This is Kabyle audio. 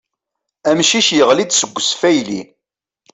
Amcic yaɣli-d seg usfayly.